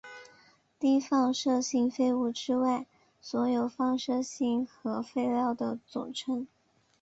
低放射性废物之外所有放射性核废料的总称。